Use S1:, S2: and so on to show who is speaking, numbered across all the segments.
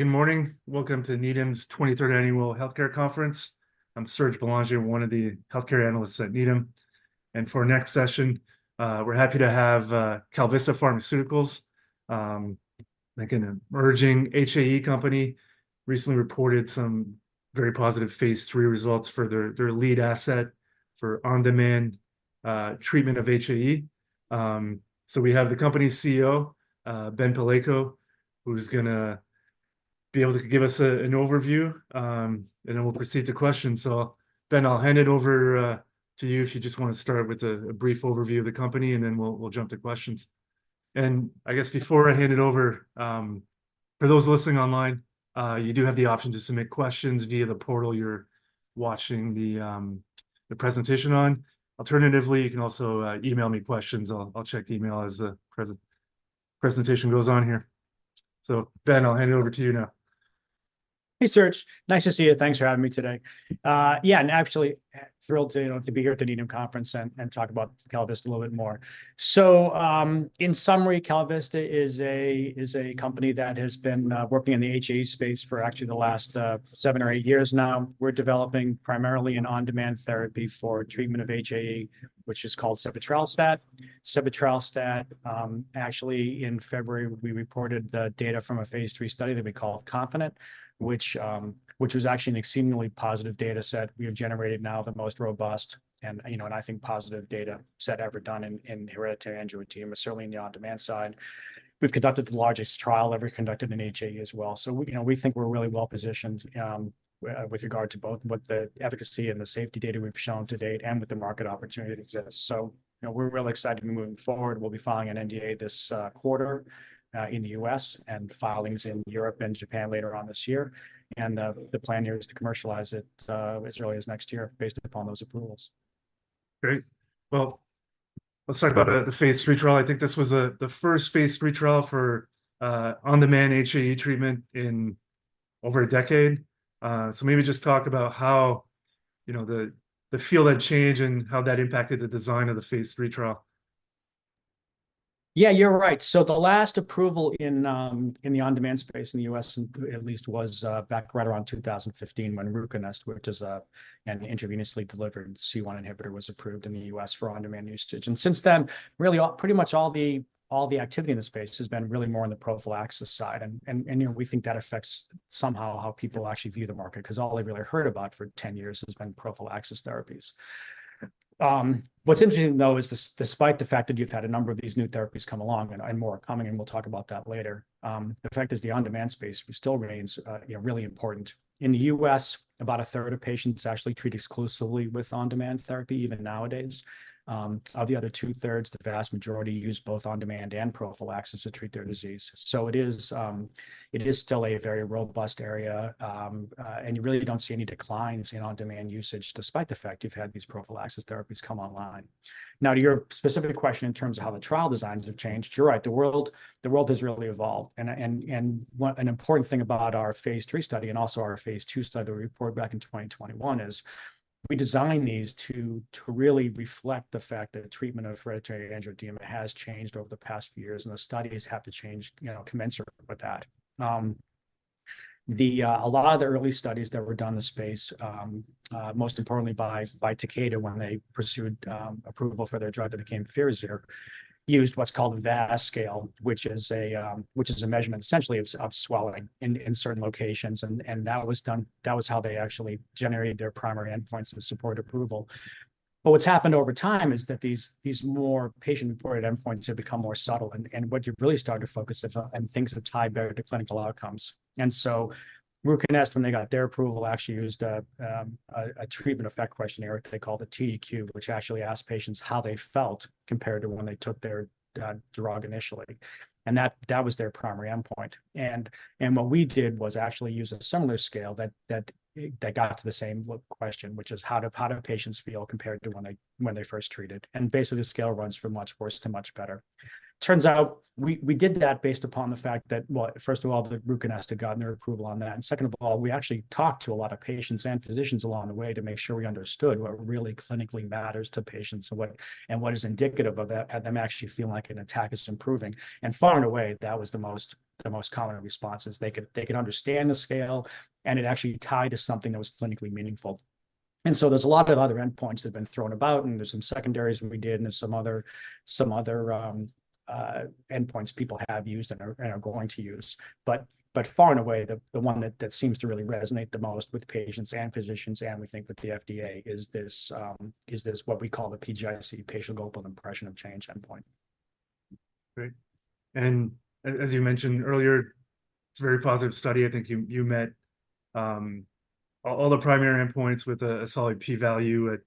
S1: Good morning. Welcome to Needham's 23rd Annual Healthcare Conference. I'm Serge Belanger, one of the healthcare analysts at Needham. And for our next session, we're happy to have KalVista Pharmaceuticals, like an emerging HAE company, recently reported some very positive phase III results for their lead asset for on-demand treatment of HAE. So we have the company's CEO, Ben Palleiko, who's gonna be able to give us an overview, and then we'll proceed to questions. So Ben, I'll hand it over to you, if you just wanna start with a brief overview of the company, and then we'll jump to questions. And I guess before I hand it over, for those listening online, you do have the option to submit questions via the portal you're watching the presentation on. Alternatively, you can also email me questions. I'll check email as the presentation goes on here. So Ben, I'll hand it over to you now.
S2: Hey, Serge. Nice to see you. Thanks for having me today. Yeah, and actually, thrilled to, you know, to be here at the Needham Conference and talk about KalVista a little bit more. So, in summary, KalVista is a company that has been working in the HAE space for actually the last seven or eight years now. We're developing primarily an on-demand therapy for treatment of HAE, which is called sebetralstat. Sebetralstat, actually in February, we reported the data from a phase III study that we call KONFIDENT, which was actually an exceedingly positive data set. We have generated now the most robust and, you know, and I think positive data set ever done in hereditary angioedema, certainly in the on-demand side. We've conducted the largest trial ever conducted in HAE as well, so we, you know, we think we're really well positioned, with regard to both what the efficacy and the safety data we've shown to date and with the market opportunity that exists. So, you know, we're really excited to be moving forward. We'll be filing an NDA this quarter in the U.S., and filings in Europe and Japan later on this year. And the plan here is to commercialize it as early as next year, based upon those approvals.
S1: Great. Well, let's talk about the phase III trial. I think this was the first phase III trial for on-demand HAE treatment in over a decade. So maybe just talk about how, you know, the field had changed and how that impacted the design of the phase III trial.
S2: Yeah, you're right. So the last approval in the on-demand space in the U.S. at least was back right around 2015 when RUCONEST, which is a, an intravenously-delivered C1 inhibitor, was approved in the U.S. for on-demand usage. And since then, really all, pretty much all the activity in the space has been really more on the prophylaxis side, and you know, we think that affects somehow how people actually view the market, 'cause all they've really heard about for ten years has been prophylaxis therapies. What's interesting, though, is despite the fact that you've had a number of these new therapies come along, and more are coming, and we'll talk about that later, the fact is, the on-demand space still remains you know, really important. In the US, about a third of patients actually treat exclusively with on-demand therapy, even nowadays. Of the other two-thirds, the vast majority use both on-demand and prophylaxis to treat their disease. So it is still a very robust area, and you really don't see any declines in on-demand usage, despite the fact you've had these prophylaxis therapies come online. Now, to your specific question in terms of how the trial designs have changed, you're right, the world has really evolved. An important thing about our phase III study, and also our phase II study, the report back in 2021, is we designed these to really reflect the fact that treatment of hereditary angioedema has changed over the past few years, and the studies have to change, you know, commensurate with that. A lot of the early studies that were done in the space, most importantly by Takeda, when they pursued approval for their drug that became FIRAZYR, used what's called VAS scale, which is a measurement essentially of swallowing in certain locations. And that was done. That was how they actually generated their primary endpoints to support approval. But what's happened over time is that these more patient-reported endpoints have become more subtle, and what you really start to focus is on things that tie better to clinical outcomes. And so RUCONEST, when they got their approval, actually used a treatment effect questionnaire they called the TEQ, which actually asked patients how they felt compared to when they took their drug initially, and that was their primary endpoint. What we did was actually use a similar scale that got to the same question, which is, how do patients feel compared to when they first treated? And basically, the scale runs from much worse to much better. Turns out we did that based upon the fact that, well, first of all, that RUCONEST had gotten their approval on that. And second of all, we actually talked to a lot of patients and physicians along the way to make sure we understood what really clinically matters to patients and what is indicative of that, them actually feeling like an attack is improving. And far and away, that was the most common responses. They could understand the scale, and it actually tied to something that was clinically meaningful. And so there's a lot of other endpoints that have been thrown about, and there's some secondaries that we did, and there's some other endpoints people have used and are going to use. But far and away, the one that seems to really resonate the most with patients and physicians, and we think with the FDA, is this what we call the PGIC, Patient Global Impression of Change endpoint.
S1: Great. And as you mentioned earlier, it's a very positive study. I think you met all the primary endpoints with a solid P value at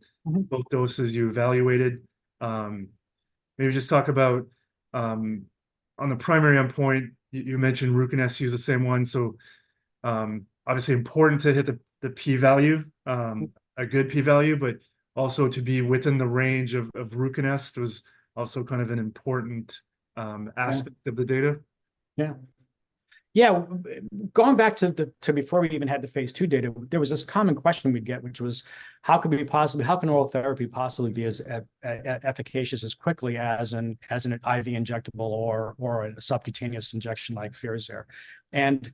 S1: both doses you evaluated. Maybe just talk about on the primary endpoint, you mentioned RUCONEST use the same one. So, obviously important to hit the P value a good P value, but also to be within the range of RUCONEST was also kind of an important,
S2: Yeah...
S1: aspect of the data.
S2: Yeah. Yeah, going back to the, to before we even had the phase II data, there was this common question we'd get, which was: How could we possibly—how can oral therapy possibly be as efficacious as quickly as an, as an IV injectable or, or a subcutaneous injection like FIRAZYR? And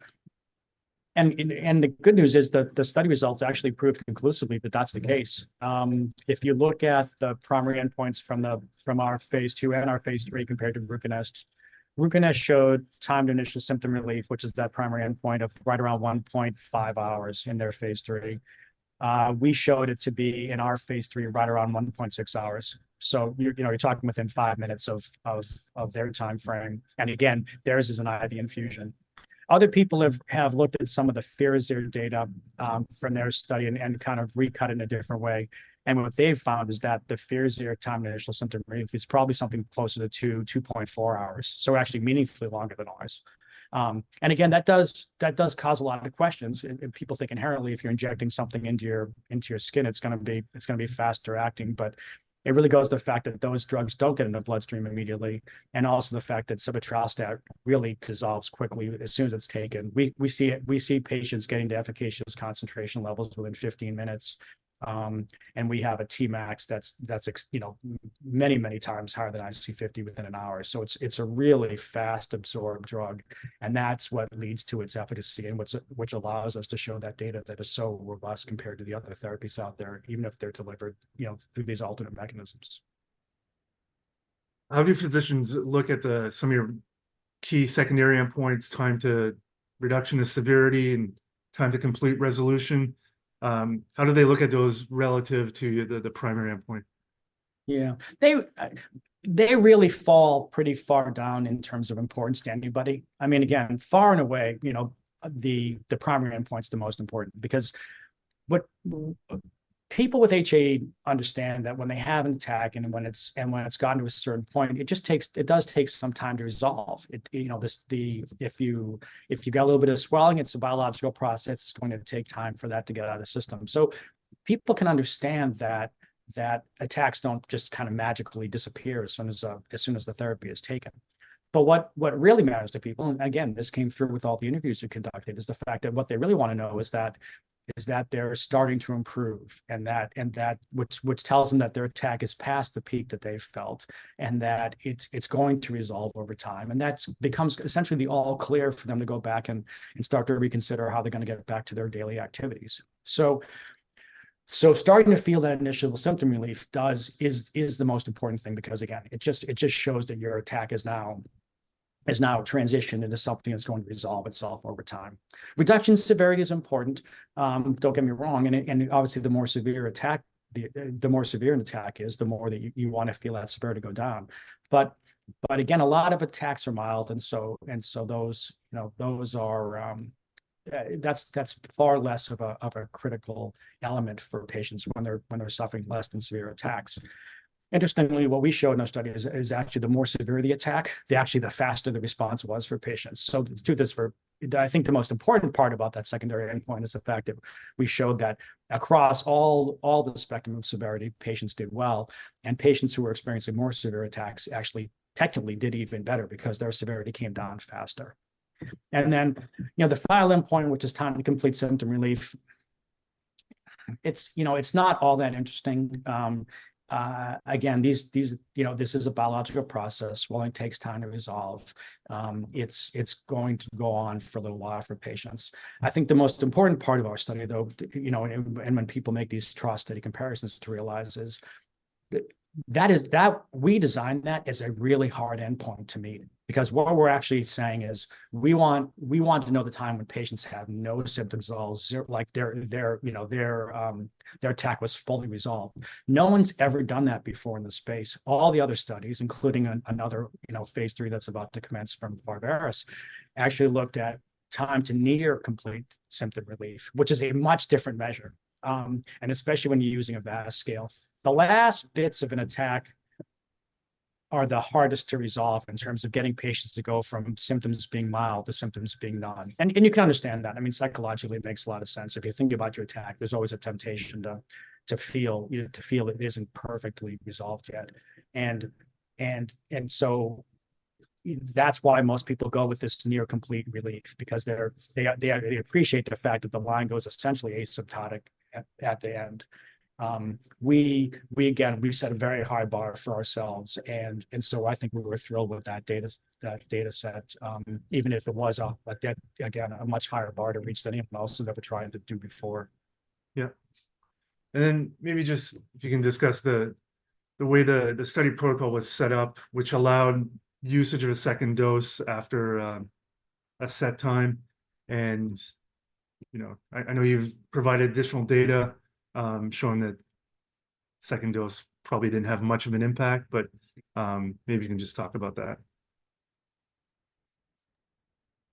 S2: the good news is that the study results actually proved conclusively that that's the case. If you look at the primary endpoints from our phase II and our phase III compared to RUCONEST, RUCONEST showed time to initial symptom relief, which is that primary endpoint of right around 1.5 hours in their phase III. We showed it to be, in our phase III, right around 1.6 hours. So you're, you know, talking within 5 minutes of their timeframe. Again, theirs is an IV infusion. Other people have looked at some of the FIRAZYR data from their study and kind of recut in a different way, and what they've found is that the FIRAZYR time to initial symptom relief is probably something closer to 2.4 hours, so actually meaningfully longer than ours. And again, that does cause a lot of questions, and people think inherently, if you're injecting something into your skin, it's gonna be faster acting. But it really goes to the fact that those drugs don't get in the bloodstream immediately, and also the fact that sebetralstat really dissolves quickly as soon as it's taken. We see patients getting to efficacious concentration levels within 15 minutes. And we have a Tmax that's you know many many times higher than IC50 within an hour. So it's a really fast absorbed drug, and that's what leads to its efficacy and what's, which allows us to show that data that is so robust compared to the other therapies out there, even if they're delivered, you know, through these alternate mechanisms.
S1: How do physicians look at the, some of your key secondary endpoints, time to reduction of severity and time to complete resolution? How do they look at those relative to the primary endpoint?
S2: Yeah. They, they really fall pretty far down in terms of importance to anybody. I mean, again, far and away, you know, the, the primary endpoint's the most important, because what... People with HA understand that when they have an attack, and when it's, and when it's gotten to a certain point, it just takes, it does take some time to resolve. It, you know, this, the, if you, if you got a little bit of swelling, it's a biological process. It's going to take time for that to get out of the system. So people can understand that, that attacks don't just kinda magically disappear as soon as, as soon as the therapy is taken. But what really matters to people, and again, this came through with all the interviews we conducted, is the fact that what they really wanna know is that they're starting to improve, and that which tells them that their attack is past the peak that they've felt, and that it's going to resolve over time. And that becomes essentially the all clear for them to go back and start to reconsider how they're gonna get back to their daily activities. So starting to feel that initial symptom relief is the most important thing because, again, it just shows that your attack is now transitioned into something that's going to resolve itself over time. Reduction in severity is important, don't get me wrong, and it, and obviously, the more severe your attack, the more severe an attack is, the more that you wanna feel that severity go down. But again, a lot of attacks are mild, and so those, you know, those are that's far less of a critical element for patients when they're suffering less than severe attacks. Interestingly, what we showed in our study is actually the more severe the attack, the actually the faster the response was for patients. So to this for... I think the most important part about that secondary endpoint is the fact that we showed that across all the spectrum of severity, patients did well, and patients who were experiencing more severe attacks actually technically did even better because their severity came down faster. And then, you know, the final endpoint, which is time to complete symptom relief, it's, you know, it's not all that interesting. Again, these. You know, this is a biological process. Swelling takes time to resolve. It's going to go on for a little while for patients. I think the most important part of our study, though, you know, and when people make these trial study comparisons to realize is that we designed that as a really hard endpoint to meet. Because what we're actually saying is, we want, we want to know the time when patients have no symptoms at all, like their, their, you know, their attack was fully resolved. No one's ever done that before in this space. All the other studies, including another, you know, phase III that's about to commence from Pharvaris, actually looked at time to near complete symptom relief, which is a much different measure, and especially when you're using a VAS scale. The last bits of an attack are the hardest to resolve in terms of getting patients to go from symptoms being mild to symptoms being none. And you can understand that. I mean, psychologically, it makes a lot of sense. If you're thinking about your attack, there's always a temptation to feel, you know, to feel it isn't perfectly resolved yet. So that's why most people go with this near complete relief because they appreciate the fact that the line goes essentially asymptotic at the end. We again set a very high bar for ourselves, and so I think we were thrilled with that data, that data set, even if it was again a much higher bar to reach than anyone else has ever tried to do before.
S1: Yeah. And then maybe just if you can discuss the way the study protocol was set up, which allowed usage of a second dose after a set time. And, you know, I know you've provided additional data showing that second dose probably didn't have much of an impact, but maybe you can just talk about that.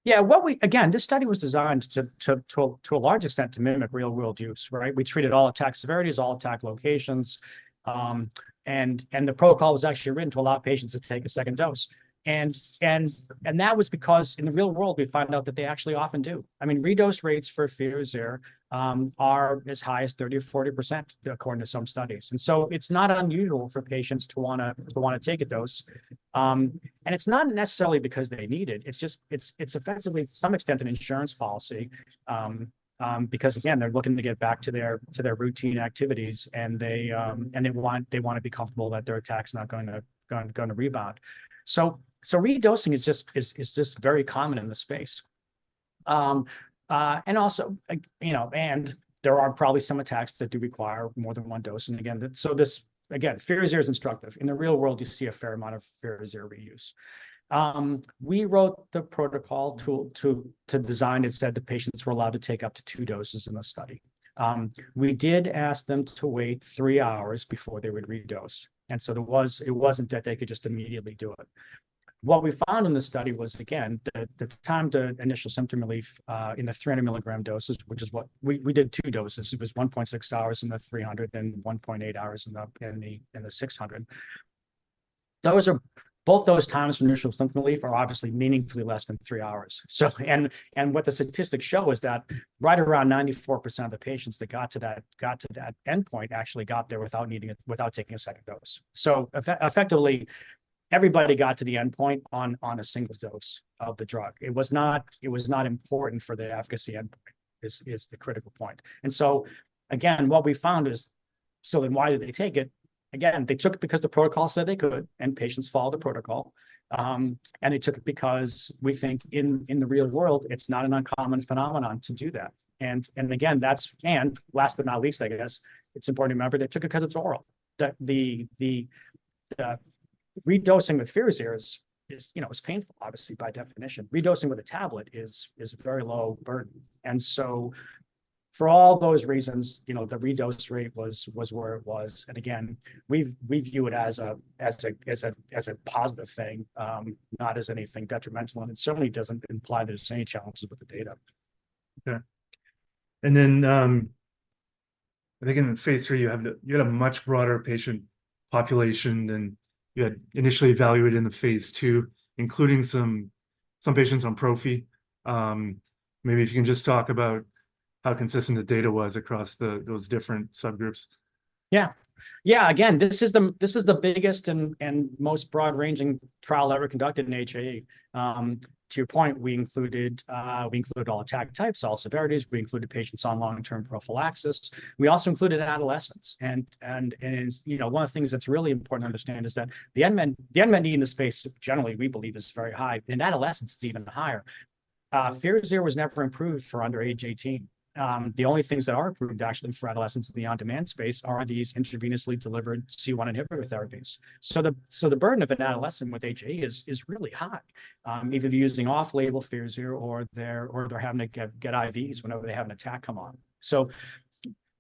S2: Yeah, what we... Again, this study was designed to a large extent to mimic real-world use, right? We treated all attack severities, all attack locations, and the protocol was actually written to allow patients to take a second dose. And that was because in the real world, we found out that they actually often do. I mean, redose rates for FIRAZYR are as high as 30%-40%, according to some studies. And so it's not unusual for patients to wanna take a dose. And it's not necessarily because they need it, it's just, it's effectively, to some extent, an insurance policy. Because, again, they're looking to get back to their routine activities, and they want to be comfortable that their attack's not gonna rebound. So, redosing is just very common in this space. And also, like, you know, and there are probably some attacks that do require more than one dose. And again, so this, again, FIRAZYR is instructive. In the real world, you see a fair amount of FIRAZYR reuse. We wrote the protocol to design it, said the patients were allowed to take up to 2 doses in the study. We did ask them to wait 3 hours before they would redose, and so there was. It wasn't that they could just immediately do it. What we found in the study was, again, that the time to initial symptom relief in the 300 mg dosage, which is what. We did 2 doses. It was 1.6 hours in the 300, then 1.8 hours in the 600. Those are both those times from initial symptom relief are obviously meaningfully less than 3 hours. So, and what the statistics show is that right around 94% of the patients that got to that endpoint actually got there without taking a second dose. So effectively, everybody got to the endpoint on a single dose of the drug. It was not important for the efficacy endpoint, is the critical point. And so, again, what we found is, so then why did they take it? Again, they took it because the protocol said they could, and patients followed the protocol. And they took it because we think in the real world, it's not an uncommon phenomenon to do that. And again, that's... And last but not least, I guess it's important to remember they took it 'cause it's oral. That the redosing with FIRAZYR is, you know, painful obviously by definition. Redosing with a tablet is very low burden. And so for all those reasons, you know, the redose rate was where it was. And again, we view it as a positive thing, not as anything detrimental, and it certainly doesn't imply there's any challenges with the data.
S1: Okay. And then, I think in phase III you have a, you had a much broader patient population than you had initially evaluated in the phase II, including some patients on prophy. Maybe if you can just talk about how consistent the data was across those different subgroups.
S2: Yeah. Yeah, again, this is the biggest and most broad-ranging trial ever conducted in HAE. To your point, we included all attack types, all severities, we included patients on long-term prophylaxis. We also included adolescents, and you know, one of the things that's really important to understand is that the unmet need in this space generally, we believe is very high, in adolescents, it's even higher. FIRAZYR was never approved for under age 18. The only things that are approved actually for adolescents in the on-demand space are these intravenously delivered C1 inhibitor therapies. So the burden of an adolescent with HAE is really high. Either they're using off-label FIRAZYR, or they're having to get IVs whenever they have an attack come on. So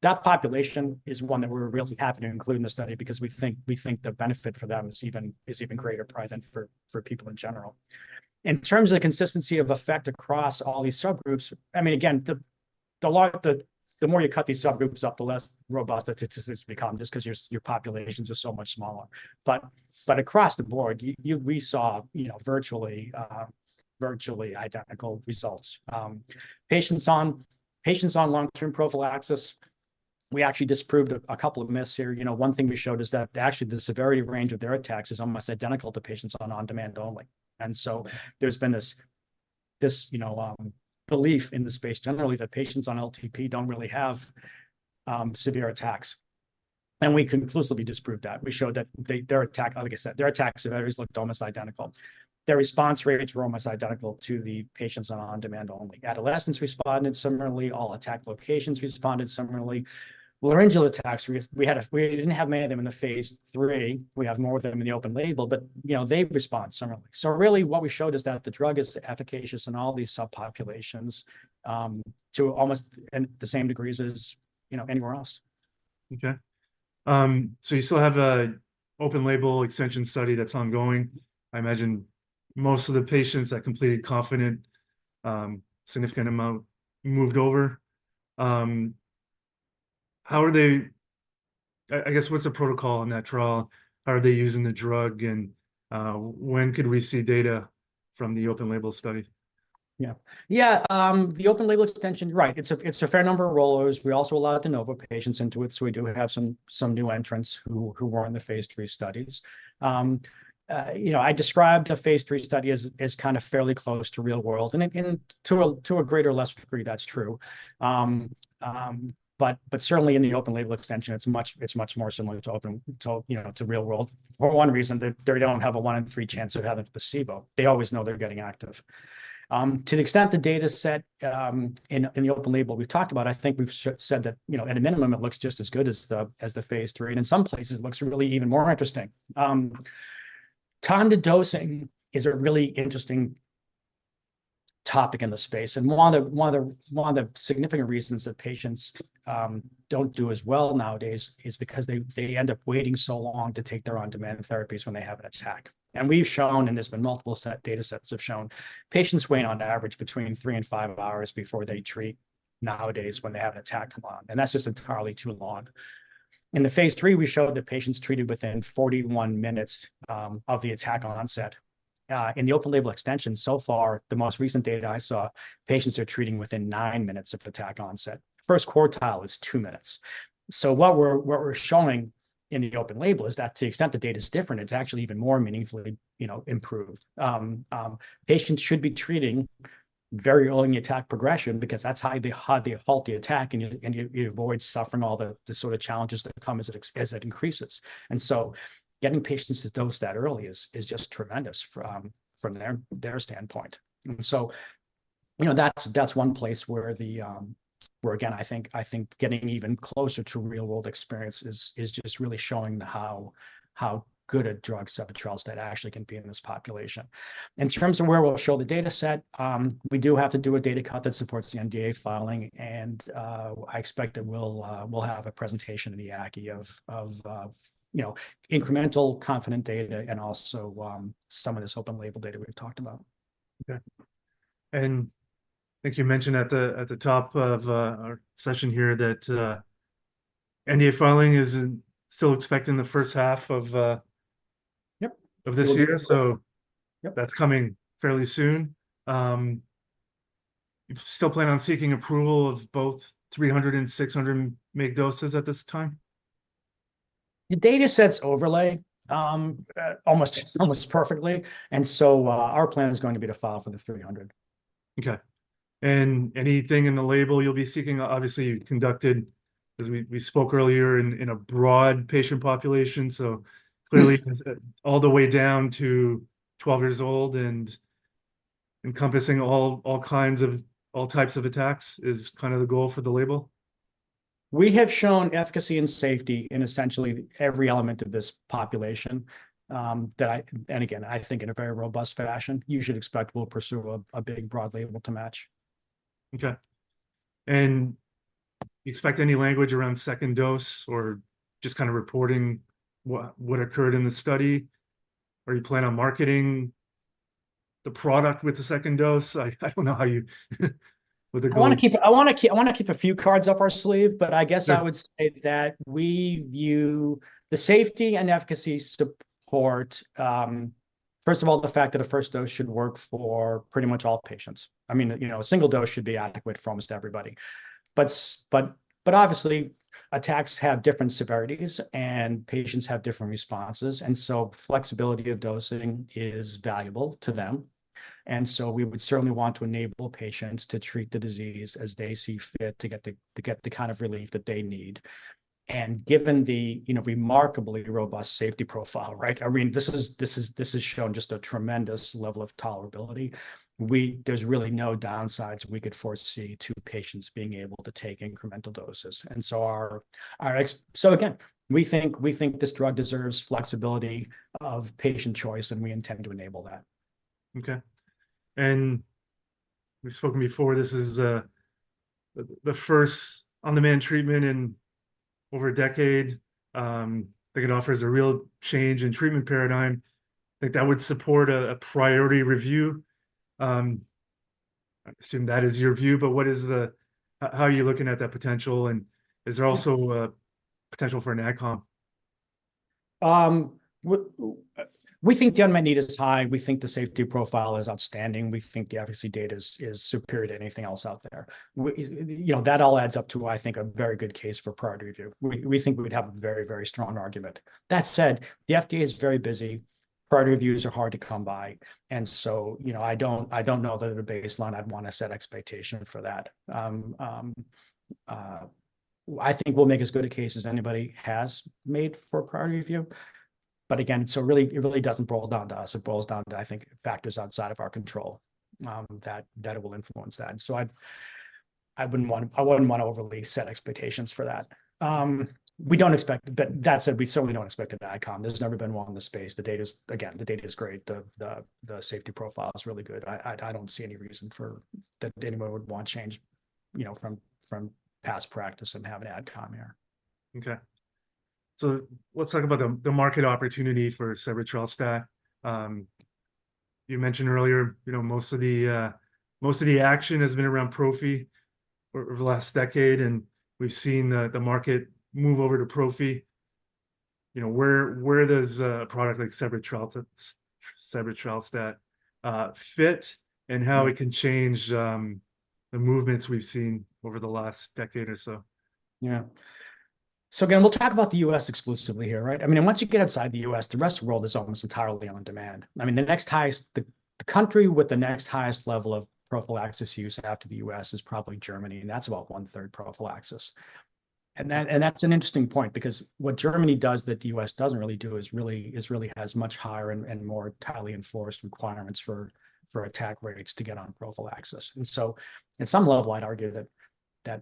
S2: that population is one that we were really happy to include in the study because we think, we think the benefit for them is even, is even greater probably than for, for people in general. In terms of the consistency of effect across all these subgroups, I mean, again, the, the larger the... The more you cut these subgroups up, the less robust the statistics become, just 'cause your, your populations are so much smaller. But, but across the board, you, you- we saw, you know, virtually, virtually identical results. Patients on, patients on long-term prophylaxis, we actually disproved a, a couple of myths here. You know, one thing we showed is that actually the severity range of their attacks is almost identical to patients on on-demand only. So there's been this, you know, belief in the space generally, that patients on LTP don't really have severe attacks, and we conclusively disproved that. We showed that their attack, like I said, their attack severities looked almost identical. Their response rates were almost identical to the patients on on-demand only. Adolescents responded similarly. All attack locations responded similarly. Laryngeal attacks, we didn't have many of them in the phase III. We have more of them in the open label, but, you know, they've responded similarly. So really what we showed is that the drug is efficacious in all these subpopulations to almost and the same degrees as, you know, anywhere else.
S1: Okay. So you still have an open label extension study that's ongoing. I imagine most of the patients that completed KONFIDENT, significant amount moved over. How are they... I guess, what's the protocol in that trial? How are they using the drug, and when could we see data from the open label study?
S2: Yeah. Yeah, the open label extension, right, it's a fair number of rollovers. We also allowed de novo patients into it, so we do have some new entrants who were in the phase three studies. You know, I described the phase three study as kind of fairly close to real world, and to a greater or less degree, that's true. But certainly in the open label extension, it's much more similar to open, to, you know, to real world. For one reason, they don't have a one in three chance of having placebo. They always know they're getting active. To the extent the data set in the open label, we've talked about, I think we've said that, you know, at a minimum, it looks just as good as the phase III, and in some places, it looks really even more interesting. Time to dosing is a really interesting topic in the space, and one of the significant reasons that patients don't do as well nowadays is because they end up waiting so long to take their on-demand therapies when they have an attack. And we've shown, and there's been multiple sets, data sets have shown, patients wait on average between 3 and 5 hours before they treat nowadays when they have an attack come on, and that's just entirely too long. In the phase III, we showed that patients treated within 41 minutes of the attack onset. In the open label extension, so far, the most recent data I saw, patients are treating within 9 minutes of attack onset. First quartile is 2 minutes. So what we're showing in the open label is that to the extent the data is different, it's actually even more meaningfully, you know, improved. Patients should be treating very early in the attack progression because that's how they halt the attack, and you avoid suffering all the sort of challenges that come as it increases. And so getting patients to dose that early is just tremendous from their standpoint. And so-... You know, that's one place where, again, I think getting even closer to real-world experience is just really showing how good a drug sebetralstat actually can be in this population. In terms of where we'll show the data set, we do have to do a data cut that supports the NDA filing, and I expect that we'll have a presentation in the EAACI of incremental KONFIDENT data and also some of this open label data we've talked about.
S1: Okay. And I think you mentioned at the top of our session here that NDA filing is still expected in the H1 of-
S2: Yep...
S1: of this year, so-
S2: Yep...
S1: that's coming fairly soon. You still plan on seeking approval of both 300 and 600 mg doses at this time?
S2: The data sets overlay almost perfectly, and so our plan is going to be to file for the 300.
S1: Okay. And anything in the label you'll be seeking, obviously, you conducted, as we spoke earlier, in a broad patient population, so clearly all the way down to 12 years old and encompassing all types of attacks is kind of the goal for the label?
S2: We have shown efficacy and safety in essentially every element of this population. And again, I think in a very robust fashion, you should expect we'll pursue a big, broad label to match.
S1: Okay. And you expect any language around second dose or just kind of reporting what, what occurred in the study? Or you plan on marketing the product with the second dose? I, I don't know how you with the goal-
S2: I wanna keep a few cards up our sleeve.
S1: Sure.
S2: But I guess I would say that we view the safety and efficacy support, first of all, the fact that a first dose should work for pretty much all patients. I mean, you know, a single dose should be adequate for almost everybody. But obviously, attacks have different severities, and patients have different responses, and so flexibility of dosing is valuable to them. And so we would certainly want to enable patients to treat the disease as they see fit, to get the, to get the kind of relief that they need. And given the, you know, remarkably robust safety profile, right? I mean, this has shown just a tremendous level of tolerability. We... There's really no downsides we could foresee to patients being able to take incremental doses. So again, we think this drug deserves flexibility of patient choice, and we intend to enable that.
S1: Okay. And we've spoken before, this is the first on-demand treatment in over a decade. I think it offers a real change in treatment paradigm. I think that would support a Priority Review. I assume that is your view, but how are you looking at that potential, and is there also a potential for an AdCom?
S2: We think the unmet need is high, we think the safety profile is outstanding, we think the efficacy data is superior to anything else out there. You know, that all adds up to, I think, a very good case for Priority Review. We think we would have a very, very strong argument. That said, the FDA is very busy, Priority Reviews are hard to come by, and so, you know, I don't know that at a baseline I'd wanna set expectation for that. I think we'll make as good a case as anybody has made for a Priority Review. But again, really, it really doesn't boil down to us, it boils down to, I think, factors outside of our control, that will influence that. So I wouldn't want to overly set expectations for that. We don't expect... But that said, we certainly don't expect an AdCom. There's never been one in the space. The data is, again, the data is great. The safety profile is really good. I don't see any reason for that anybody would want change, you know, from past practice and have an AdCom here.
S1: Okay. So let's talk about the market opportunity for sebetralstat. You mentioned earlier, you know, most of the action has been around prophy over the last decade, and we've seen the market move over to prophy. You know, where does a product like sebetralstat fit, and how it can change the movements we've seen over the last decade or so?
S2: Yeah. So again, we'll talk about the US exclusively here, right? I mean, and once you get outside the US, the rest of the world is almost entirely on demand. I mean, the next highest... The country with the next highest level of prophylaxis use after the US is probably Germany, and that's about one-third prophylaxis. And that's an interesting point because what Germany does that the US doesn't really do is really has much higher and more tightly enforced requirements for attack rates to get on prophylaxis. And so, at some level, I'd argue that,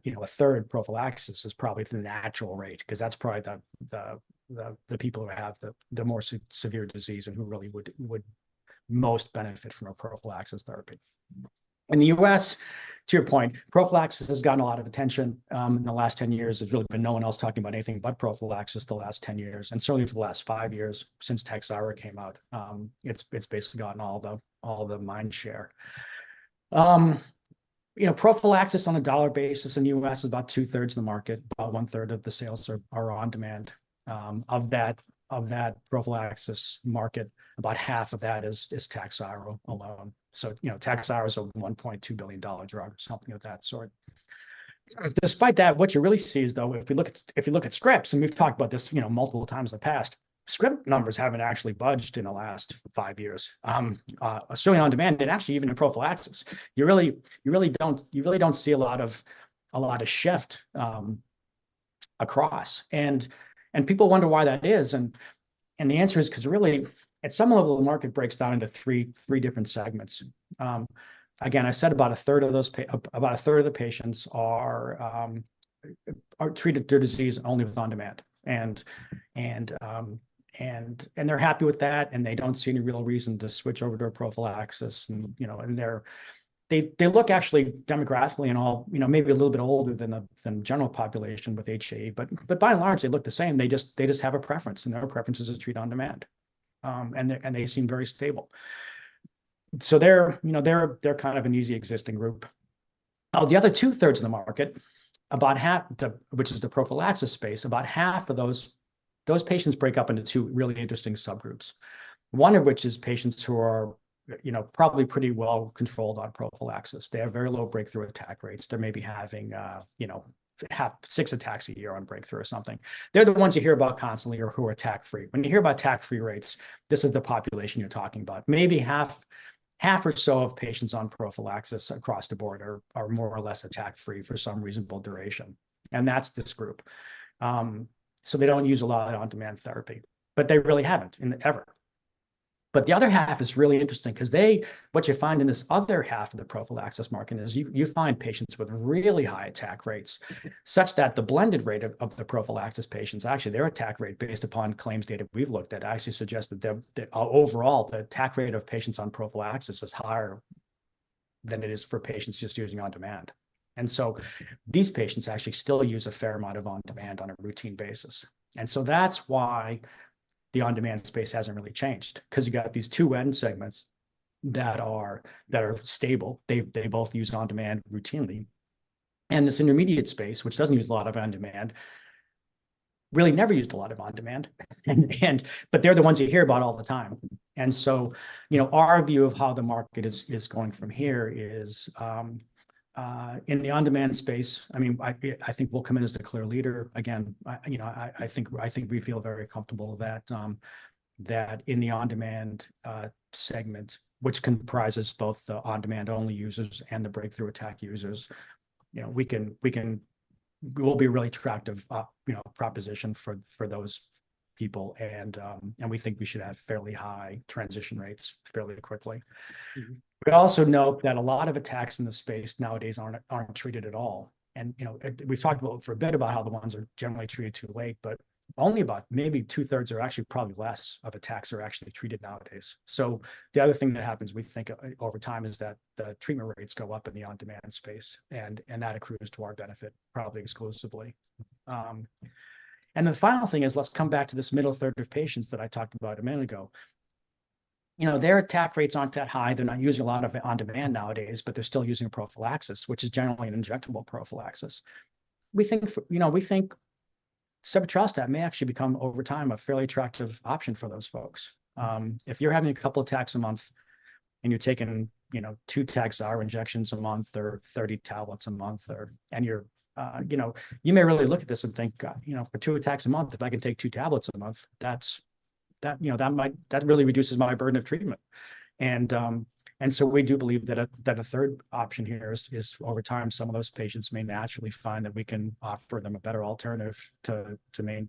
S2: you know, a third prophylaxis is probably the natural rate, 'cause that's probably the people who have the more severe disease and who really would most benefit from a prophylaxis therapy. In the US, to your point, prophylaxis has gotten a lot of attention in the last 10 years. There's really been no one else talking about anything but prophylaxis the last 10 years, and certainly for the last 5 years since TAKHZYRO came out. It's basically gotten all the mind share. You know, prophylaxis on a dollar basis in the US is about two-thirds of the market, about one-third of the sales are on demand. Of that prophylaxis market, about half of that is TAKHZYRO alone. So, you know, TAKHZYRO is a $1.2 billion drug or something of that sort. Despite that, what you really see is, though, if you look at, if you look at scripts, and we've talked about this, you know, multiple times in the past, script numbers haven't actually budged in the last five years. Assuming on demand and actually even in prophylaxis, you really, you really don't, you really don't see a lot of, a lot of shift across. And, and people wonder why that is, and, and the answer is 'cause really, at some level, the market breaks down into three, three different segments. Again, I said about a third of those pa- about a third of the patients are, are treated their disease only with on-demand. And, and, and, and they're happy with that, and they don't see any real reason to switch over to a prophylaxis. You know, they look actually demographically and all, you know, maybe a little bit older than the general population with HAE, but by and large, they look the same. They just have a preference, and their preference is to treat on-demand. And they seem very stable. So they're, you know, they're kind of an easy existing group. Now, the other two-thirds of the market, about half—which is the prophylaxis space, about half of those patients break up into two really interesting subgroups. One of which is patients who are, you know, probably pretty well-controlled on prophylaxis. They have very low breakthrough attack rates. They're maybe having, you know, 0.5-6 attacks a year on breakthrough or something. They're the ones you hear about constantly or who are attack-free. When you hear about attack-free rates, this is the population you're talking about. Maybe half or so of patients on prophylaxis across the board are more or less attack-free for some reasonable duration, and that's this group. So they don't use a lot of on-demand therapy, but they really haven't, and ever. But the other half is really interesting, 'cause they... What you find in this other half of the prophylaxis market is you find patients with really high attack rates, such that the blended rate of the prophylaxis patients, actually, their attack rate based upon claims data we've looked at, actually suggests that the overall the attack rate of patients on prophylaxis is higher than it is for patients just using on-demand. And so these patients actually still use a fair amount of on-demand on a routine basis. And so that's why the on-demand space hasn't really changed, 'cause you've got these two end segments that are stable. They've, they both use on-demand routinely. And this intermediate space, which doesn't use a lot of on-demand, really never used a lot of on-demand. But they're the ones you hear about all the time. And so, you know, our view of how the market is going from here is in the on-demand space, I mean, I think we'll come in as the clear leader. Again, you know, we feel very comfortable that in the on-demand segment, which comprises both the on-demand-only users and the breakthrough attack users, you know, we'll be a really attractive, you know, proposition for those people. We think we should have fairly high transition rates fairly quickly. We also note that a lot of attacks in the space nowadays aren't treated at all. You know, we've talked for a bit about how the ones are generally treated too late, but only about maybe two-thirds are actually probably less of attacks are actually treated nowadays. So the other thing that happens, we think, over time, is that the treatment rates go up in the on-demand space, and that accrues to our benefit, probably exclusively. The final thing is, let's come back to this middle third of patients that I talked about a minute ago. You know, their attack rates aren't that high. They're not using a lot of on-demand nowadays, but they're still using prophylaxis, which is generally an injectable prophylaxis. We think, you know, we think sebetralstat may actually become, over time, a fairly attractive option for those folks. If you're having a couple attacks a month and you're taking, you know, two attacks, our injections a month, or 30 tablets a month, or... And you're, you know, you may really look at this and think, "you know, for two attacks a month, if I can take two tablets a month, that's, you know, that really reduces my burden of treatment." And so we do believe that a third option here is, over time, some of those patients may naturally find that we can offer them a better alternative to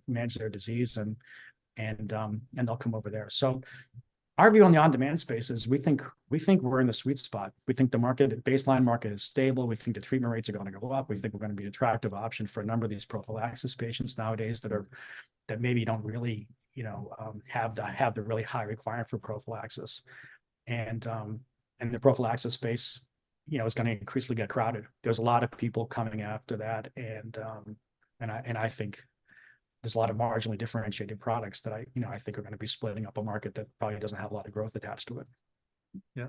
S2: manage their disease, and they'll come over there. So our view on the on-demand space is we think, we think we're in the sweet spot. We think the market, baseline market is stable. We think the treatment rates are gonna go up. We think we're gonna be an attractive option for a number of these prophylaxis patients nowadays that maybe don't really, you know, have the really high requirement for prophylaxis. And the prophylaxis space, you know, is gonna increasingly get crowded. There's a lot of people coming after that, and I think there's a lot of marginally differentiated products that I, you know, I think are gonna be splitting up a market that probably doesn't have a lot of growth attached to it.
S1: Yeah.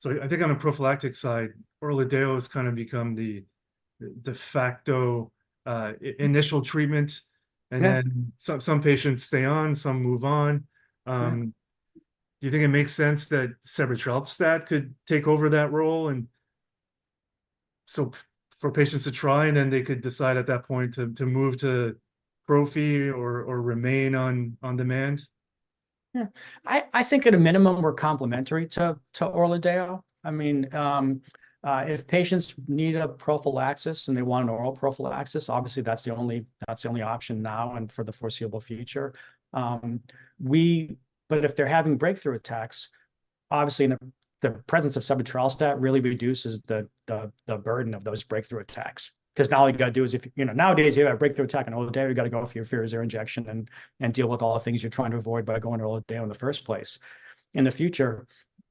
S1: So I think on the prophylactic side, ORLADEYO has kind of become the de facto initial treatment.
S2: Yeah.
S1: And then some, some patients stay on, some move on.
S2: Yeah.
S1: Do you think it makes sense that sebetralstat could take over that role, and so for patients to try, and then they could decide at that point to move to prophy or remain on on-demand?
S2: Yeah. I think at a minimum, we're complementary to ORLADEYO. I mean, if patients need a prophylaxis and they want an oral prophylaxis, obviously, that's the only option now and for the foreseeable future. But if they're having breakthrough attacks, obviously, the burden of those breakthrough attacks. 'Cause now all you've gotta do is you know, nowadays, you have a breakthrough attack on ORLADEYO, you've gotta go for your IV or injection and deal with all the things you're trying to avoid by going ORLADEYO in the first place. In the future,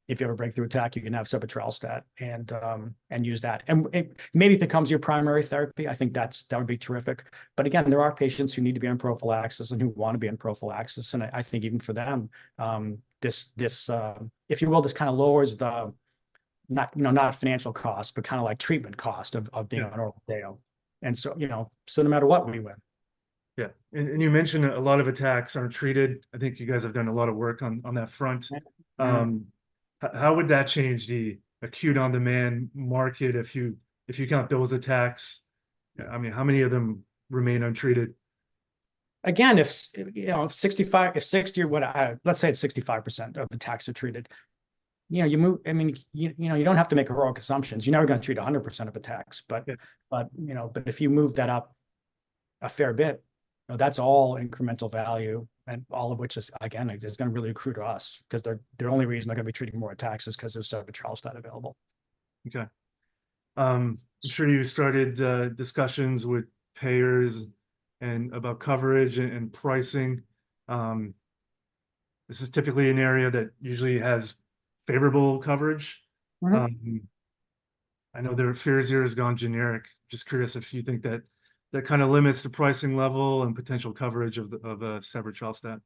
S2: if you have a breakthrough attack, you can have sebetralstat and use that. And it maybe becomes your primary therapy. I think that would be terrific. But again, there are patients who need to be on prophylaxis and who wanna be on prophylaxis, and I think even for them, if you will, this kind of lowers the, not, you know, not financial cost, but kind of like treatment cost of-
S1: Yeah...
S2: of being on ORLADEYO. And so, you know, so no matter what, we win.
S1: Yeah. And you mentioned a lot of attacks aren't treated. I think you guys have done a lot of work on that front.
S2: Yeah.
S1: How would that change the acute on-demand market if you, if you count those attacks? I mean, how many of them remain untreated? ...
S2: again, you know, 65, if 60 or what, let's say it's 65% of attacks are treated, you know, you move—I mean, you know, you don't have to make heroic assumptions. You're never gonna treat 100% of attacks. But, you know, but if you move that up a fair bit, you know, that's all incremental value, and all of which is, again, gonna really accrue to us. 'Cause the only reason they're gonna be treating more attacks is 'cause there's sebetralstat available.
S1: Okay. I'm sure you started discussions with payers and about coverage and pricing. This is typically an area that usually has favorable coverage.
S2: Right.
S1: I know their FIRAZYR has gone generic. Just curious if you think that that kind of limits the pricing level and potential coverage of the, of a sebetralstat?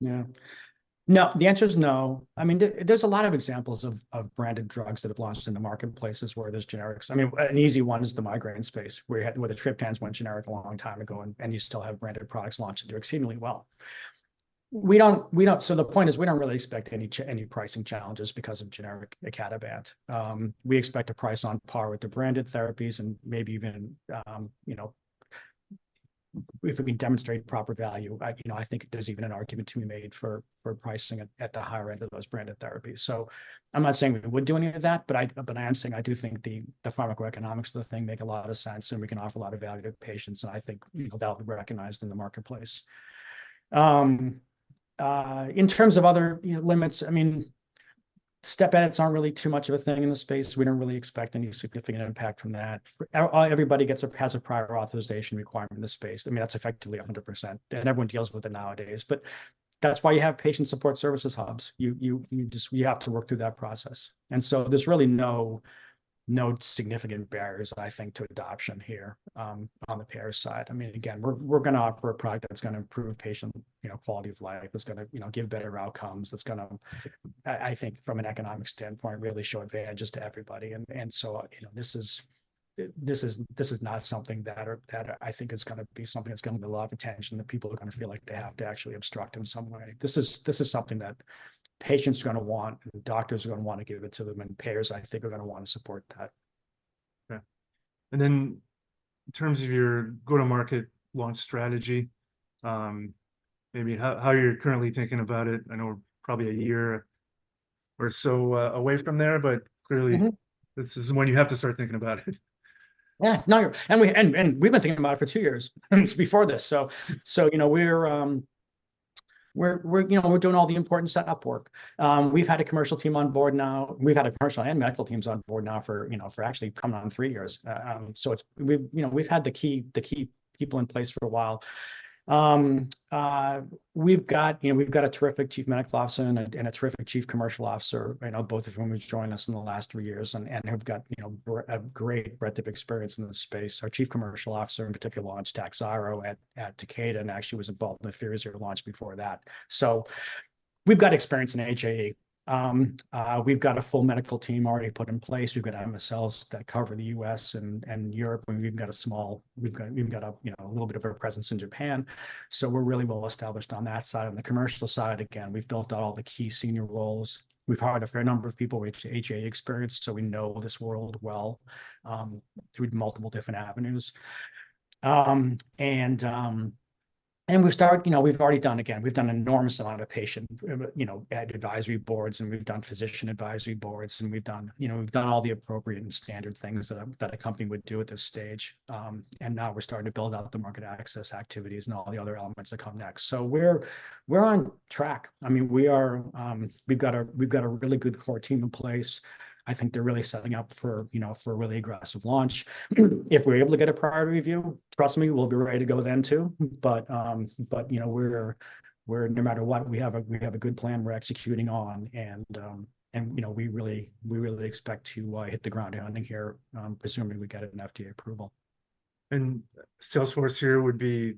S2: Yeah. No, the answer is no. I mean, there's a lot of examples of branded drugs that have launched in the marketplaces where there's generics. I mean, an easy one is the migraine space, where the triptans went generic a long time ago, and you still have branded products launched, and doing exceedingly well. So the point is, we don't really expect any pricing challenges because of generic icatibant. We expect a price on par with the branded therapies and maybe even, you know, if we demonstrate proper value. You know, I think there's even an argument to be made for pricing at the higher end of those branded therapies. So I'm not saying we would do any of that, but I am saying, I do think the pharmacoeconomics of the thing make a lot of sense, and we can offer a lot of value to patients, and I think we'll be recognized in the marketplace. In terms of other, you know, limits, I mean, step edits aren't really too much of a thing in the space. We don't really expect any significant impact from that. Everybody has a prior authorization requirement in this space. I mean, that's effectively 100%, and everyone deals with it nowadays, but that's why you have patient support services hubs. You just have to work through that process. And so there's really no significant barriers, I think, to adoption here, on the payer side. I mean, again, we're gonna offer a product that's gonna improve patient, you know, quality of life, that's gonna, you know, give better outcomes, that's gonna, I think, from an economic standpoint, really show advantages to everybody. And so, you know, this is, this is not something that, that I think is gonna be something that's gonna be a lot of attention, that people are gonna feel like they have to actually obstruct in some way. This is something that patients are gonna want, and doctors are gonna wanna give it to them, and payers, I think, are gonna wanna support that.
S1: Yeah. And then in terms of your go-to-market launch strategy, maybe how you're currently thinking about it? I know we're probably a year or so away from there, but clearly this is when you have to start thinking about it.
S2: Yeah, we've been thinking about it for two years before this. So, you know, we're doing all the important setup work. We've had a commercial team on board now. We've had a commercial and medical teams on board now for, you know, for actually coming on three years. So it's—we've had the key people in place for a while. We've got a terrific Chief Medical Officer and a terrific Chief Commercial Officer, you know, both of whom has joined us in the last three years, and have got a great breadth of experience in this space. Our Chief Commercial Officer in particular launched TAKHZYRO at Takeda, and actually was involved in the FIRAZYR launch before that. So we've got experience in HAE. We've got a full medical team already put in place. We've got MSLs that cover the U.S. and Europe, and we've even got a you know, a little bit of a presence in Japan. So we're really well established on that side. On the commercial side, again, we've built out all the key senior roles. We've hired a fair number of people with HAE experience, so we know this world well, through multiple different avenues. And you know, we've already done. Again, we've done an enormous amount of patient advisory boards, and we've done physician advisory boards, and we've done, you know, all the appropriate and standard things that a company would do at this stage. And now we're starting to build out the market access activities and all the other elements that come next. So we're on track. I mean, we are, we've got a really good core team in place. I think they're really setting up for, you know, for a really aggressive launch. If we're able to get a Priority Review, trust me, we'll be ready to go then, too. But, but you know, we're no matter what, we have a good plan we're executing on, and, you know, we really expect to hit the ground running here, presumably we get an FDA approval.
S1: Sales force here would be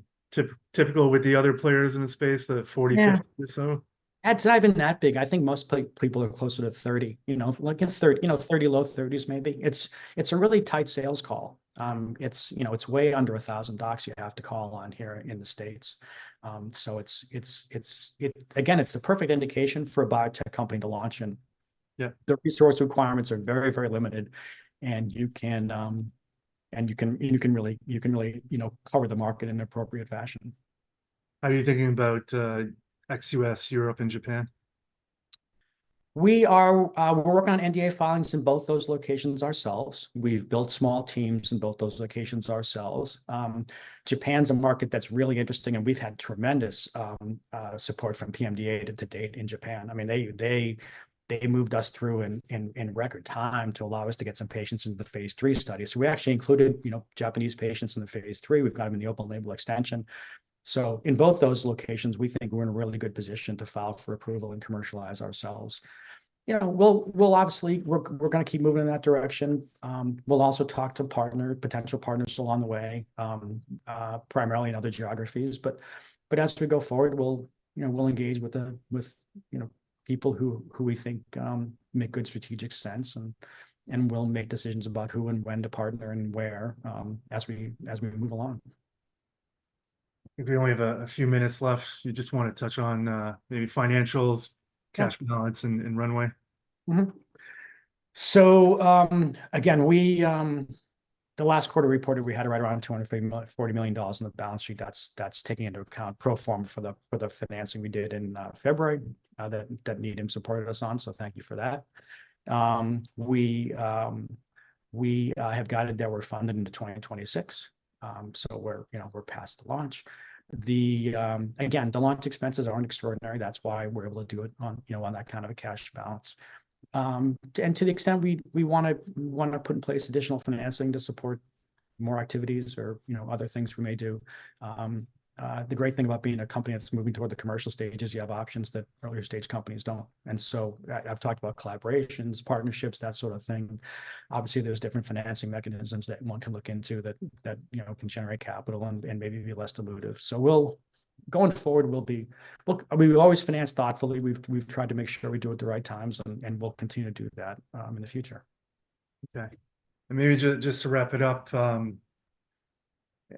S1: typical with the other players in the space, the 40-50-
S2: Yeah...
S1: or so?
S2: It's not even that big. I think most people are closer to 30. You know, like in 30, you know, 30, low 30s, maybe. It's a really tight sales call. You know, it's way under 1,000 docs you have to call on here in the States. So again, it's the perfect indication for a biotech company to launch, and-
S1: Yeah...
S2: the resource requirements are very, very limited, and you can really, you know, cover the market in an appropriate fashion.
S1: How are you thinking about ex-U.S., Europe, and Japan?
S2: We are, we're working on NDA filings in both those locations ourselves. We've built small teams in both those locations ourselves. Japan's a market that's really interesting, and we've had tremendous support from PMDA to date in Japan. I mean, they moved us through in record time to allow us to get some patients into the phase III study. So we actually included, you know, Japanese patients in the phase III. We've got 'em in the open-label extension. So in both those locations, we think we're in a really good position to file for approval and commercialize ourselves. You know, we'll obviously, we're gonna keep moving in that direction. We'll also talk to partner, potential partners along the way, primarily in other geographies. But as we go forward, we'll, you know, engage with the, you know, people who we think make good strategic sense. And we'll make decisions about who and when to partner and where as we move along.
S1: I think we only have a few minutes left. You just wanna touch on, maybe financials-
S2: Sure...
S1: cash balance and runway?
S2: Mm-hmm. So, again, the last quarter reported we had right around $240 million in the balance sheet. That's taking into account pro forma for the financing we did in February that Needham supported us on, so thank you for that. We have guided that we're funded into 2026. So we're, you know, we're past the launch. Again, the launch expenses aren't extraordinary, that's why we're able to do it on, you know, on that kind of a cash balance. And to the extent we wanna put in place additional financing to support more activities or, you know, other things we may do. The great thing about being a company that's moving toward the commercial stage is you have options that earlier-stage companies don't. And so I've talked about collaborations, partnerships, that sort of thing. Obviously, there's different financing mechanisms that one can look into that, you know, can generate capital and maybe be less dilutive. So going forward, we will always finance thoughtfully. We've tried to make sure we do it at the right times, and we'll continue to do that in the future.
S1: Okay. And maybe just to wrap it up,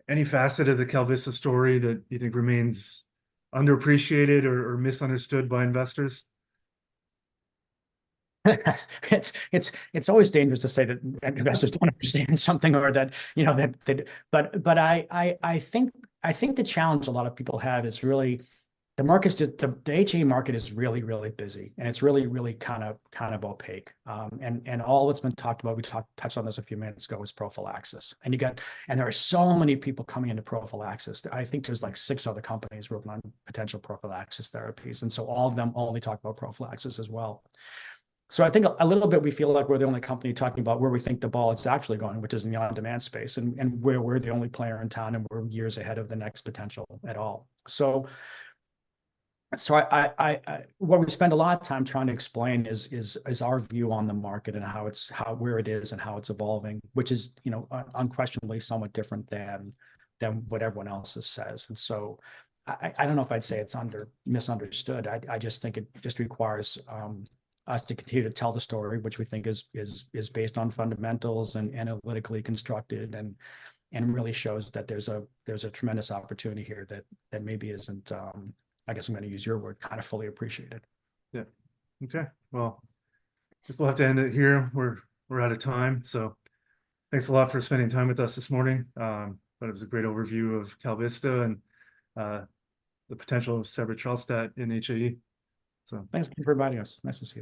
S1: any facet of the KalVista story that you think remains underappreciated or, or misunderstood by investors?
S2: It's always dangerous to say that investors don't understand something or that, you know, that they... But I think the challenge a lot of people have is really the HAE market is really, really busy, and it's really, really kind of, kind of opaque. And all that's been talked about, we touched on this a few minutes ago, is prophylaxis. And there are so many people coming into prophylaxis. I think there's, like, six other companies working on potential prophylaxis therapies, and so all of them only talk about prophylaxis as well. So I think a little bit we feel like we're the only company talking about where we think the ball is actually going, which is in the on-demand space, and where we're the only player in town, and we're years ahead of the next potential at all. What we spend a lot of time trying to explain is our view on the market and how it's where it is and how it's evolving, which is, you know, unquestionably somewhat different than what everyone else says. And so I don't know if I'd say it's misunderstood. I just think it just requires us to continue to tell the story, which we think is based on fundamentals and analytically constructed, and really shows that there's a tremendous opportunity here that maybe isn't, I guess I'm gonna use your word, kind of fully appreciated.
S1: Yeah. Okay, well, guess we'll have to end it here. We're out of time, so thanks a lot for spending time with us this morning. But it was a great overview of KalVista and the potential of sebetralstat in HAE, so.
S2: Thanks for inviting us. Nice to see you.